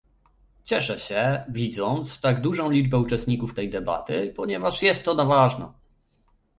Cieszę się, widząc tak dużą liczbę uczestników tej debaty, ponieważ jest ona ważna